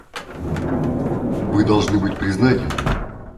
Вы должны быть признательны.